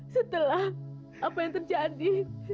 setelah apa yang terjadi